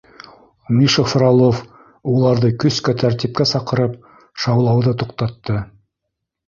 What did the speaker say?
Миша Фролов уларҙы көскә тәртипкә саҡырып, шаулауҙы туҡтатты.